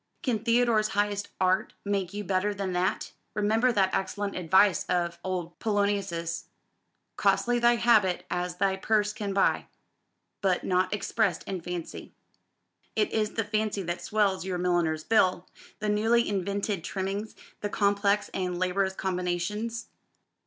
Can Theodore's highest art make you better than that? Remember that excellent advice of old Polonius's, Costly thy habit as thy purse can buy, But not expressed in fancy. It is the fancy that swells your milliner's bill, the newly invented trimmings, the complex and laborious combinations."